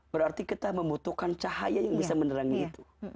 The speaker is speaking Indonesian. berarti kita membutuhkan cahaya yang bisa menerangi itu